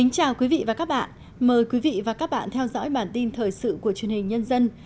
chào mừng quý vị đến với bản tin thời sự của truyền hình nhân dân